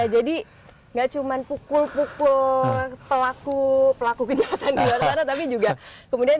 jadi nggak cuma pukul pukul pelaku pelaku kejahatan di luar sana tapi juga kemudian